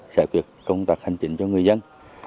giải quyết công tập hành trình cho người dân